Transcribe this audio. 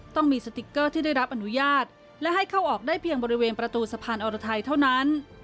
ต้องมีสติ๊กเกอร์ที่ได้รับอนุญาตและให้เข้าออกได้เพียงบริเวณประตูสะพานอรไทยเท่านั้น